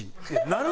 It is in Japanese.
なる？